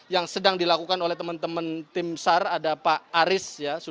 yang sedang dilakukan oleh teman teman tim sar ada pak aris